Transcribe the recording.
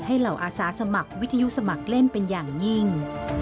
เหล่าอาสาสมัครวิทยุสมัครเล่นเป็นอย่างยิ่ง